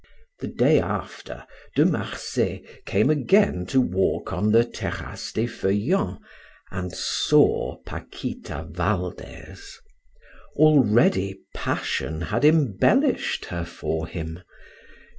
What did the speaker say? The day after, De Marsay came again to walk on the Terrasse des Feuillants, and saw Paquita Valdes; already passion had embellished her for him.